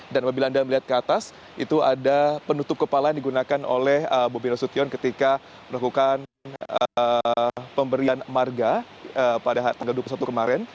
dan apabila anda melihat ke atas itu ada penutup kepala yang digunakan oleh bobi rasution ketika melakukan pemberian marga pada tanggal dua puluh satu kemarin